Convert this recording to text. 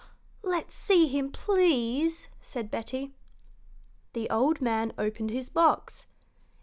"Let's see him, please," said Betty. The old man opened his box.